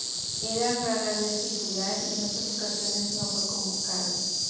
Era rara vez titular, y en otras ocasiones no fue convocado.